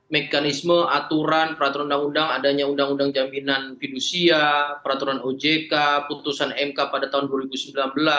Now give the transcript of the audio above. mekanisme aturan peraturan undang undang adanya undang undang jaminan fidusia peraturan ojk putusan mk pada tahun dua ribu sembilan belas